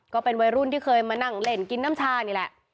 ก็เป็นวัยรุ่นที่เคยมานั่งเล่นกินน้ำชานี่แหละ